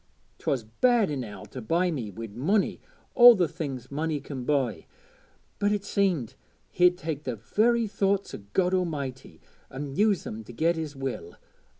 'Twas bad enow to buy me wi' munny an' the things munny can buy, but it seemed he'd take the very thoughts o' God A'mighty and use them to get his will.